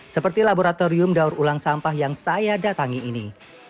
seperti laboratorium daur ulang sampah yang saya datangi ini